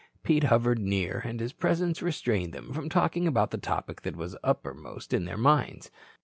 Pete hovered near and his presence restrained them from talking about the topic that was uppermost in their minds.